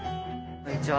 こんにちは。